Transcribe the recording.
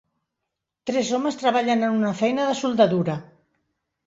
Tres homes treballen en una feina de soldadura.